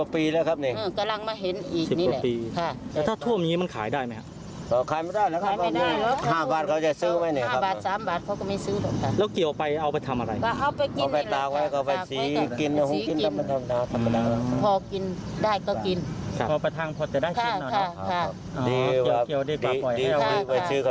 ผู้สวรรคสานของไปกินรำบากควรจะถึงตี๑อีก